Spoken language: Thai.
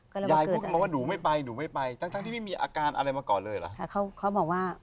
ใครครับ